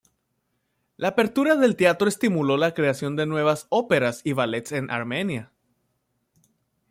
La apertura del teatro estimuló la creación de nuevas óperas y ballets en Armenia.